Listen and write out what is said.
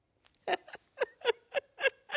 ハハハハ！